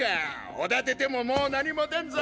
おだててももう何も出んぞ。